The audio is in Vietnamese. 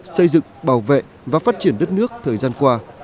xây dựng bảo vệ và phát triển đất nước thời gian qua